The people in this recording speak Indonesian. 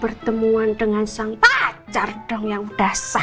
pertemuan dengan sang pacar dong yang udah sah